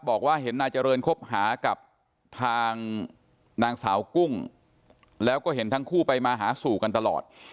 บอกว่าเห็นนายเจริญคบหากับทางนางสาวกุ้งแล้วก็เห็นทั้งคู่ไปมาหาสู่กันตลอด